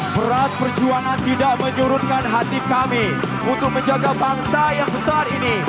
berat perjuangan tidak menyurutkan hati kami untuk menjaga bangsa yang besar ini